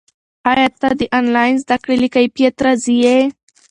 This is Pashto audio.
ایا ته د آنلاین زده کړې له کیفیت راضي یې؟